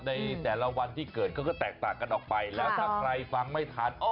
ในแต่ละวันที่เกิดเขาก็แตกต่างกันออกไปแล้วถ้าใครฟังไม่ทัน